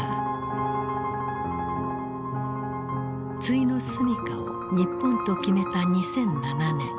終の住みかを日本と決めた２００７年。